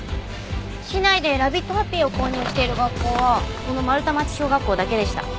市内でラビットハッピーを購入している学校はこの丸太町小学校だけでした。